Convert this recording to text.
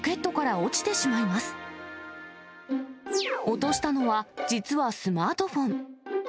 落としたのは、実はスマートフォン。